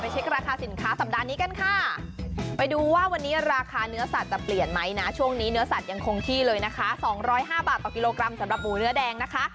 ช่วงนี้เนื้อสัตว์ยังคงที่เลยนะคะ๒๐๕บาทต่อกิโลกรัมสำหรับหมูเนื้อแดงนะคะ